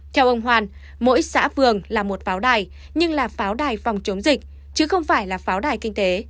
theo ông hoàn mỗi xã phường là một pháo đài nhưng là pháo đài phòng chống dịch chứ không phải là pháo đài kinh tế